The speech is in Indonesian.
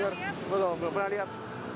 belum belum pernah lihat